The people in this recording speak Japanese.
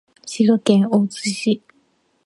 滋賀県大津市